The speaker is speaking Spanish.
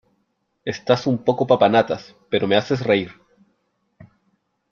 Estás un poco papanatas, pero me haces reír.